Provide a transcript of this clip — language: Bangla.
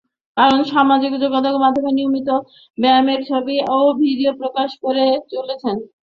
কারণ, সামাজিক যোগাযোগমাধ্যমে নিয়মিত ব্যায়ামের ছবি আর ভিডিও প্রকাশ করে চলেছেন।